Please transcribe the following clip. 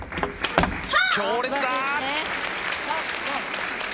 強烈だ。